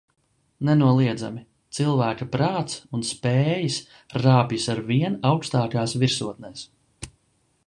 Nenoliedzami - cilvēka prāts un spējas rāpjas arvien augstākās virsotnēs.